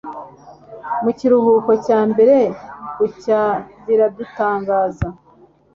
Mu kiruhuko cya mbere bucya biradutangaza